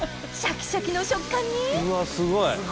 シャキシャキの食感にうわすごい！